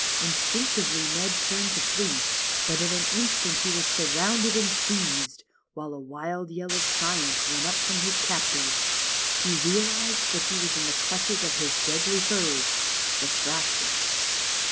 Instinctively Ned turned to flee, but in an instant he was surrounded and seized, while a wild yell of triumph went up from his captors. He realized that he was in the clutches of his deadly foes, the fractions.